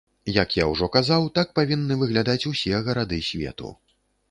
Як я ўжо казаў, так павінны выглядаць усе гарады свету.